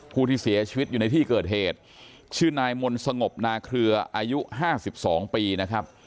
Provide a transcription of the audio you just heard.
ผู้ที่เสียชีวิตอยู่ในที่เกิดเหตุชื่อนายมนต์สงบนาเคลืออายุ๕๒ปีนะครับ